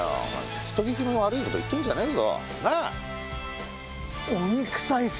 人聞きの悪いこと言ってんじゃねえぞ！なぁ？